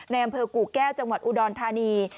อำเภอกู่แก้วจังหวัดอุดรธานี